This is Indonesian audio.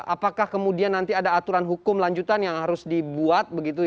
apakah kemudian nanti ada aturan hukum lanjutan yang harus dibuat